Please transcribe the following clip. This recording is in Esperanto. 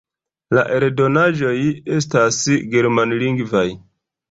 La eldonaĵoj estas germanlingvaj.